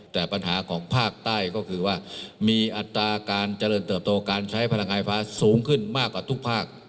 แต่ปัญหาของภาคใต้ก็คือว่ามีอัตราการเจริญเติบโตการใช้พลังงานไฟฟ้าสูงขึ้นมากกว่าทุกภาค